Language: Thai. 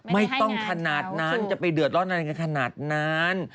ไม่ต้องขนาดนั้นจะไปเดือดร้อนอะไรกันขนาดนั้น